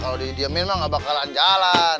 kalau dihonkan mobilnya gak bakalan jalan